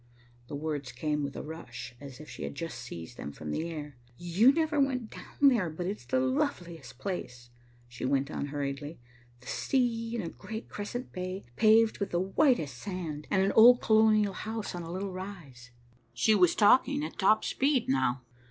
The words came with a rush, as if she had just seized them from the air. "You never went down there, but it is the loveliest place," she went on hurriedly. "The sea, in a great crescent bay, paved with the whitest sand, and an old colonial house on a little rise." She was talking at top speed now.